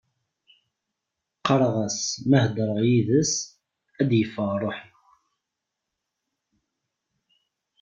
Qqareɣ-as ma hedreɣ yid-s ad yeffeɣ rruḥ-iw.